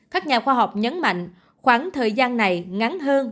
các nhà khoa học nhấn mạnh khoảng thời gian này ngắn hơn